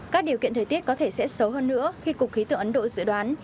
các điều kiện thời tiết có thể sẽ xấu hơn nữa khi cục khí tượng ấn độ dự đoán